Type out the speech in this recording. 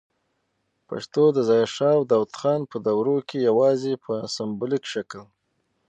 پښتو د ظاهر شاه او داود خان په دوروکي یواځې په سمبولیک شکل